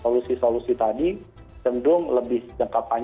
solusi solusi tadi cenderung lebih jangka panjang